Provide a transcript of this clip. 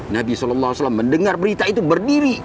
nabi saw mendengar berita itu berdiri